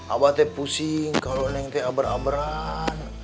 abah tuh pusing kalo neng tuh beramaran